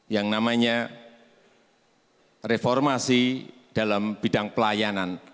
yang namanya reformasi dalam bidang pelayanan